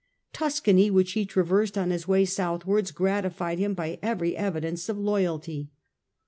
Tuscany, which he traversed on his way southwards, gratified him by every evidence of loyalty.